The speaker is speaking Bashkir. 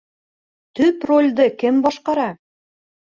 Төп ролде кем башҡара?